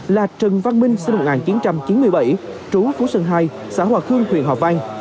là trần văn minh sinh năm một nghìn chín trăm chín mươi bảy trú phú sơn hai xã hòa khương huyện hòa vang